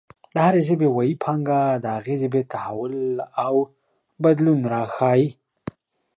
د هرې ژبې ویي پانګه د هغې ژبې تحول او بدلون راښايي.